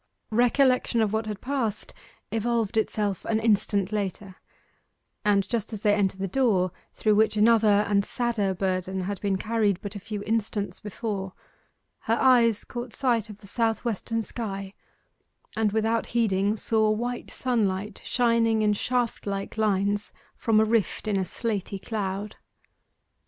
Recollection of what had passed evolved itself an instant later, and just as they entered the door through which another and sadder burden had been carried but a few instants before her eyes caught sight of the south western sky, and, without heeding, saw white sunlight shining in shaft like lines from a rift in a slaty cloud.